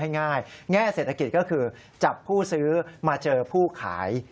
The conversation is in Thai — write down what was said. ง่ายแง่เศรษฐกิจก็คือจับผู้ซื้อมาเจอผู้ขาย